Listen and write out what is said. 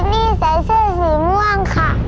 แม่ใส่เสื้อสีม่วงค่ะ